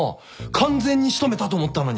完全に仕留めたと思ったのに。